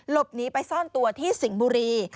หลบหนีไปซ่อนตัวที่สิงห์บุรี